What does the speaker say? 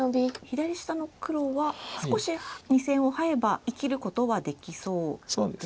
左下の黒は少し２線をハエば生きることはできそうですね。